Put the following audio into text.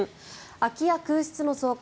空き家、空室の増加